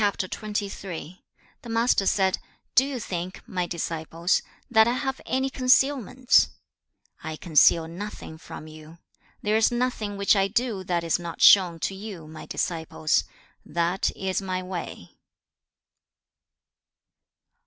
The Master said, 'Do you think, my disciples, that I have any concealments? I conceal nothing from you. There is nothing which I do that is not shown to you, my disciples; that is my way.'